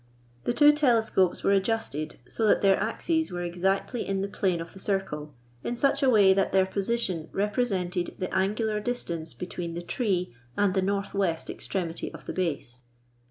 The two telescopes were adjusted so that their axes were exactly in the plane of the circle, in such a way that their position represented the angular distance between the tree and the north west extremity of the base.